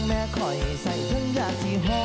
แม่คอยใส่ทุ่งยาทิหอง